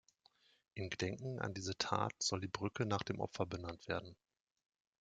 In Gedenken an diese Tat soll die Brücke nach dem Opfer benannt werden.